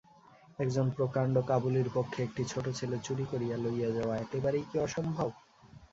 একজন প্রকাণ্ড কাবুলির পক্ষে একটি ছোটো ছেলে চুরি করিয়া লইয়া যাওয়া একেবারেই কি অসম্ভব।